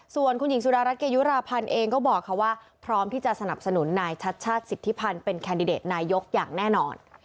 ส่วนคุณหญิงสุดารัฐเกยุราพันธ์เองก็บอกค่ะว่าพร้อมที่จะสนับสนุนนายชัดชาติสิทธิพันธ์เป็นแคนดิเดตนายกอย่างแน่นอน